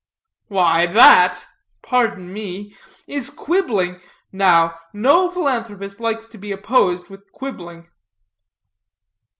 "Why, that pardon me is quibbling. Now, no philanthropist likes to be opposed with quibbling."